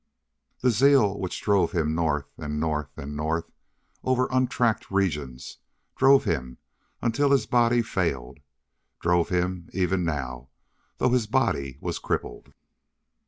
The zeal which drove him north and north and north over untracked regions, drove him until his body failed, drove him even now, though his body was crippled.